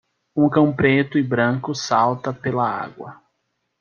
Um cão preto e branco salta pela água.